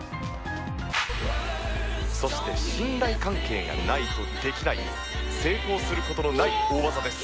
そして信頼関係がないとできない成功する事のない大技です。